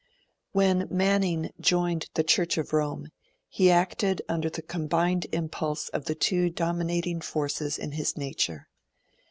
WHEN Manning joined the Church of Rome, he acted under the combined impulse of the two dominating forces in his nature.